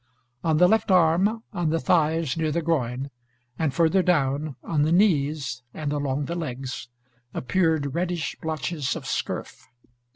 On the left arm, on the thighs near the groin, and further down, on the knees and along the legs, appeared reddish blotches of scurf.